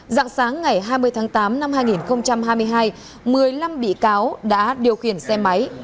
dạng sáng ngày hai mươi tháng tám năm hai nghìn hai mươi hai một mươi năm bị cáo đã điều khiển xe máy